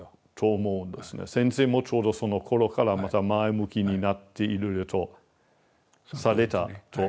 先生もちょうどそのころからまた前向きになっていろいろとされたと。